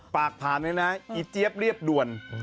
ฝากผ่านเลยนะอีเจี๊ยบเรียบด่วน